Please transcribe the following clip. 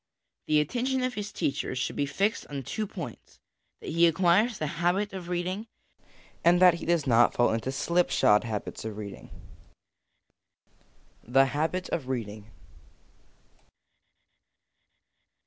The attention of his teachers should be fixed on two points that he acquires the habit of reading, and that he does not fall into slipshod habits of reading. LESSONS AS INSTRUMENTS OF EDUCATION 22? The Habit of Reading.